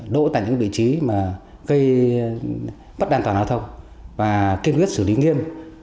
đổ tại những vị trí gây bất đàn toàn hóa thông và kiên quyết xử lý nghiêm